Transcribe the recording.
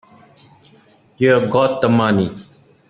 You've got the money.